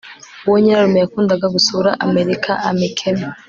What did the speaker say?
uwo nyirarume yakundaga gusura amerika amikema